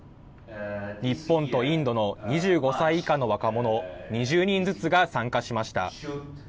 日本とインドの２５歳以下の若者２０人ずつが参加しました。